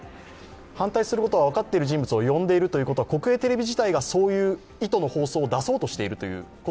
反対することが分かっている人物を呼んでいるということは国営テレビ自体がそういう意図の放送を出そうとしていると？